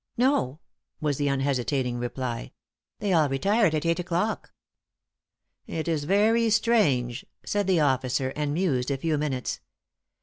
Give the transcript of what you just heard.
"No," was the unhesitating reply. "They all retired at eight o'clock." "It is very strange'' said the officer, and mused a few minutes.